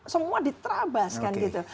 semua ditrabaskan gitu